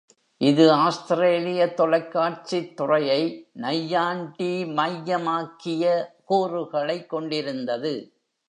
இது ஆஸ்திரேலிய தொலைக்காட்சித் துறையை நையாண்டிமையமாக்கிய கூறுகளைக் கொண்டிருந்தது.